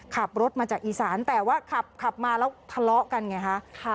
ขับรถมาจากอีสานแต่ว่าขับมาแล้วทะเลาะกันไงคะ